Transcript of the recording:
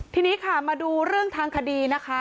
ทีนี้ค่ะมาดูเรื่องทางคดีนะคะ